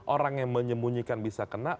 orang yang menyembunyikan bisa kena